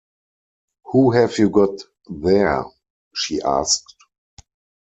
“Who have you got there?” she asked.